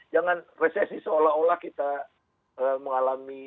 jangan resesi seolah olah kita mengalami